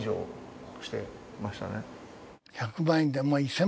１００万円で。